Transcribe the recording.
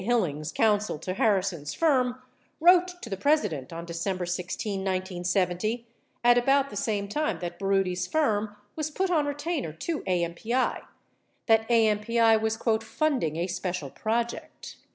Hillings, counsel to Harrison's firm, wrote to the President on December 16, 1970 — at about the same time that Baroody's firm was put on retainer to AMPI — that AMPI was "funding a special project."